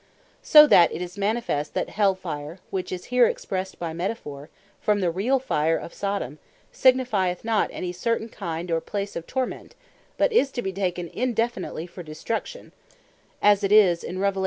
So that it is manifest, that Hell Fire, which is here expressed by Metaphor, from the reall Fire of Sodome, signifieth not any certain kind, or place of Torment; but is to be taken indefinitely, for Destruction, as it is in the 20.